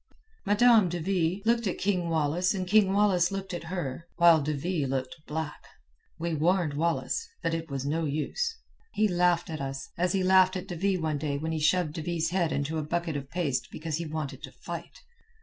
"—looked at King Wallace and King Wallace looked at her, while De Ville looked black. We warned Wallace, but it was no use. He laughed at us, as he laughed at De Ville one day when he shoved De Ville's head into a bucket of paste because he wanted to fight.